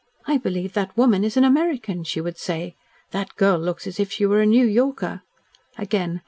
"I believe that woman is an American," she would say. "That girl looks as if she were a New Yorker," again.